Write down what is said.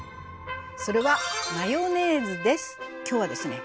それはマヨネーズです！